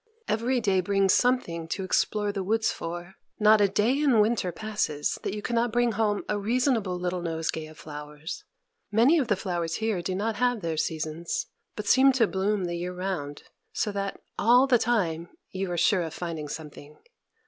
Every day brings something to explore the woods for: not a day in winter passes that you cannot bring home a reasonable little nosegay of flowers. Many of the flowers here do not have their seasons, but seem to bloom the year round: so that, all the time, you are sure of finding something.